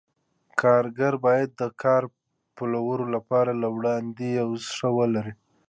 کارګر باید د کار پلورلو لپاره له وړاندې یو څه ولري